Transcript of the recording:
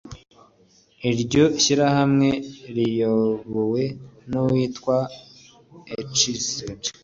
iryo shyirahamwe riyobowe n’abitwa e schinitzer